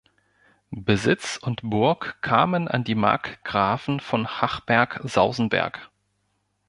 Besitz und Burg kamen an die Markgrafen von Hachberg-Sausenberg.